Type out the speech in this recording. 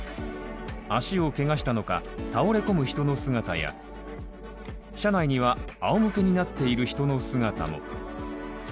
足をけがしたのか、倒れ込む人の姿や、車内には、あおむけになっている人の姿も。